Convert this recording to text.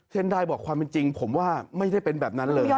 ได้บอกความเป็นจริงผมว่าไม่ได้เป็นแบบนั้นเลย